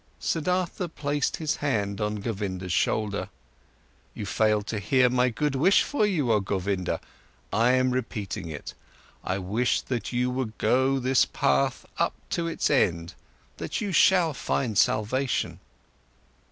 Siddhartha placed his hand on Govinda's shoulder: "You failed to hear my good wish for you, oh Govinda. I'm repeating it: I wish that you would go this path up to its end, that you shall find salvation!"